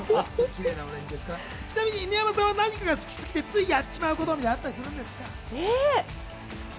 ちなみに犬山さんは何かが好きすぎてついやってしまうことってあったりするんですか？